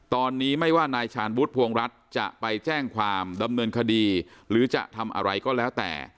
ตอนนี้ไม่ว่านายชาญวุฒิภวงรัฐจะไปแจ้งความดำเนินคดีหรือจะทำอะไรก็แล้วแต่